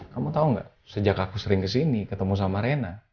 kamu tau gak sejak aku sering kesini ketemu sama reyna